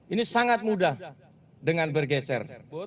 ini sangat mudah dengan bergeser